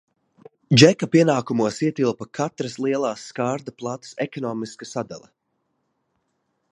Džeka pienākumos ietilpa katras lielās skārda plates ekonomiska sadale.